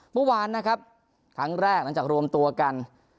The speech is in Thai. เมื่อวานนะครับครั้งแรกหลังจากรวมตัวกัน